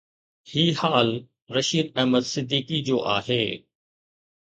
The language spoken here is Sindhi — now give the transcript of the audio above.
هي حال رشيد احمد صديقي جو آهي.